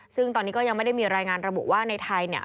ซึ่งตอนนี้ก็ยังไม่ได้มีรายงานระบุว่าในไทยเนี่ย